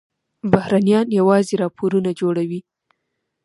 بهرنیان یوازې راپورونه جوړوي.